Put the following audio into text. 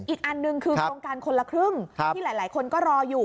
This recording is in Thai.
อีกอันหนึ่งคือโครงการคนละครึ่งที่หลายคนก็รออยู่